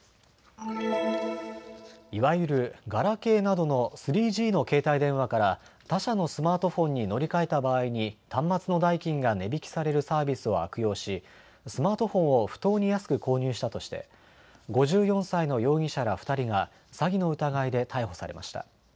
いわゆるガラケーなどの３Ｇの携帯電話から他社のスマートフォンに乗り換えた場合に端末の代金が値引きされるサービスを悪用しスマートフォンを不当に安く購入したとして５４歳の容疑者ら２人が詐欺の疑いで逮捕されました。